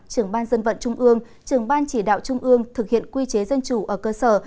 trưởng ban dân vận trung ương trưởng ban chỉ đạo trung ương thực hiện quy chế dân chủ ở cơ sở